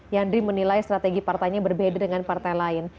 yandri menilai strategi partainya berbeda dengan partai lain